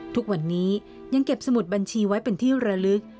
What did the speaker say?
ทุกวันนี้ยังเก็บสมุดบัญชีไว้เป็นที่ระลึก